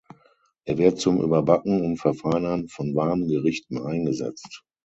Er wird zum Überbacken und Verfeinern von warmen Gerichten eingesetzt.